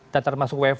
dan termasuk wfh